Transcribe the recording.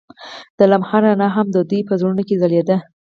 د لمحه رڼا هم د دوی په زړونو کې ځلېده.